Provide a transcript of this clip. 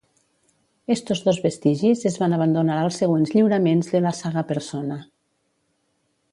Estos dos vestigis es van abandonar als següents lliuraments de la saga Persona.